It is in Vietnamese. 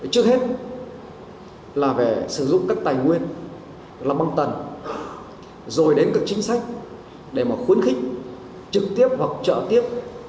trước hết là về sử dụng các tài nguyên làm băng tần rồi đến các chính sách để mà khuyến khích trực tiếp hoặc trợ tiếp